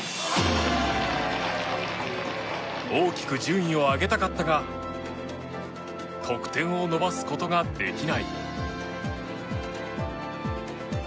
大きく順位を上げたかったが得点を伸ばすことができない。